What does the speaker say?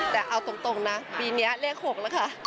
แต่เอาตรงนะปีนี้เลข๖แล้วค่ะ